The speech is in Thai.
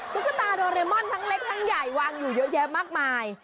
ตุ๊กตาโดเรมอนทั้งเล็กทั้งใหญ่วางอยู่เยอะแยะมากมาย